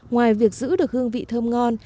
ngoài việc giữ được hương vị thơm ngon